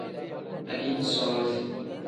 Adiini soozi.